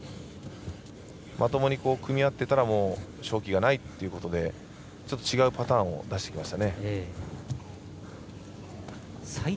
まともに組み合ってたら勝機がないということでちょっと違うパターンを出してきましたね。